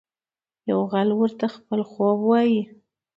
یو غل ورته خپل خوب وايي.